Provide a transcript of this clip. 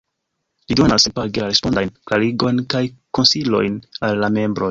Li donas senpage la respondajn klarigojn kaj konsilojn al la membroj.